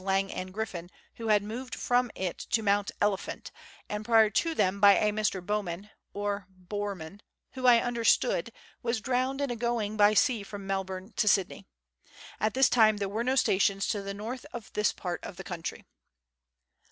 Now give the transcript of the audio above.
Lang and Griffin, who had moved from it to Mount Elephant, and prior to them by a Mr. Bowman (or Borman), who, I understood, was drowned in going by sea from Melbourne to Sydney. At this time there were no stations to the north of this part of the country.